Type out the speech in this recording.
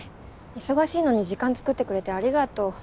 忙しいのに時間作ってくれてありがとう。